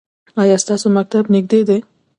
ایا ستاسو مکتب نږدې دی؟